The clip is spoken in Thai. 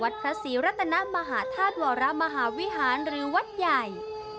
พระศรีรัตนมหาธาตุวรมหาวิหารหรือวัดใหญ่